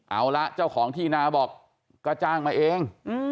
เอาละเจ้าของที่นาบอกก็จ้างมาเอง